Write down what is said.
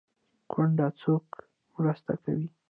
کونډه څوک مرسته کوي؟